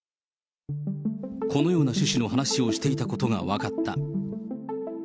このような趣旨の話をしていたことが分かった。